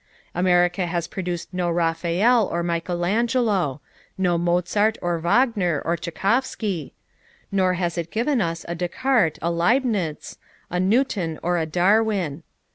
America has produced no Raphael or Michaelangelo; no Mozart or Wagner or Tschaikovsky. Nor has it given us a Descartes, a Leibnitz, a Newton or a Darwin.